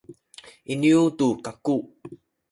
iniyu tu kaku